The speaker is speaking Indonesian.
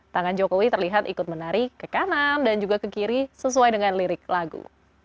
tangan jokowi terlihat ikut menarik ke kanan dan juga ke kiri sesuai dengan lirik lagu